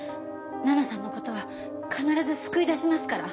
奈々さんの事は必ず救い出しますから。